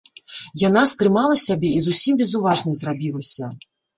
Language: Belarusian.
Яна стрымала сябе і зусім безуважнай зрабілася.